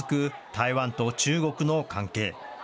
台湾と中国の関係。